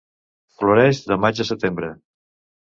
Floreix de maig a setembre.